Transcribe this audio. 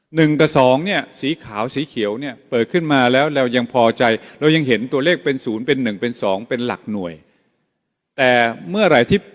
หนึ่งกับสองเนี่ยสีขาวสีเขียวเนี่ยเปิดขึ้นมาแล้วเรายังพอใจ